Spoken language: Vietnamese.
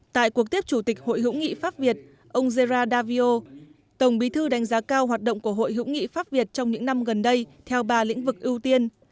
tại cuộc tiếp chủ tịch hội hữu nghị pháp việt ông zerra davio tổng bí thư đánh giá cao hoạt động của hội hữu nghị pháp việt trong những năm gần đây theo ba lĩnh vực ưu tiên